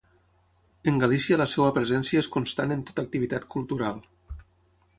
En Galícia la seva presència és constant en tota activitat cultural.